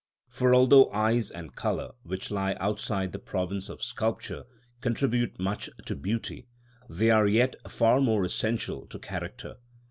For although eyes and colour, which lie outside the province of sculpture, contribute much to beauty, they are yet far more essential to character.